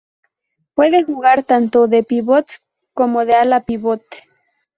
Puede jugar tanto de pívot como de ala-pívot.